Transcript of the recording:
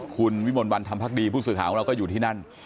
คุณวิมลวันธรรมพักดีผู้สื่อข่าวของเราก็อยู่ที่นั่น